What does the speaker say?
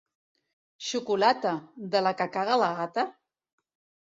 Xocolata! —De la que caga la gata?